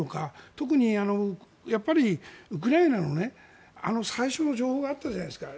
特に、ウクライナのあの最初の情報があったじゃないですか。